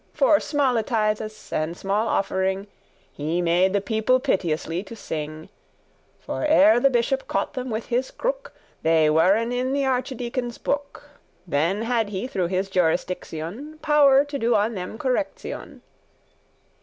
<2> For smalle tithes, and small offering, He made the people piteously to sing; For ere the bishop caught them with his crook, They weren in the archedeacon's book; Then had he, through his jurisdiction, Power to do on them correction.